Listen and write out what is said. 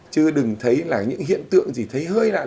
chứ đừng thấy là những hiện tượng gì thấy hơi nặng